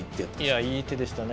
いやいい手でしたね。